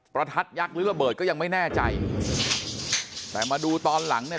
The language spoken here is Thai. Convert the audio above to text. ประทัดยักษ์หรือระเบิดก็ยังไม่แน่ใจแต่มาดูตอนหลังเนี่ย